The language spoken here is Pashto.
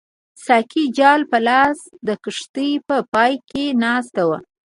ساقي جال په لاس د کښتۍ په پای کې ناست وو.